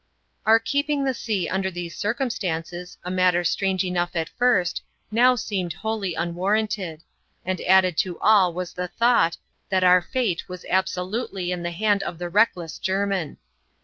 Our keeping the sea under these circumstances, a matter strange enough at first, now seemed wholly unwarranted ; and added to all was the thought, that our fate was absolutely in the hand of the reckless Jermin.